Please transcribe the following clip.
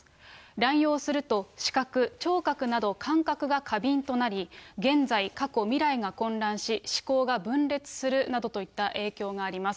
乱用すると視覚、聴覚など感覚が過敏となり、現在、過去、未来が混乱し思考が分裂するなどといった影響があります。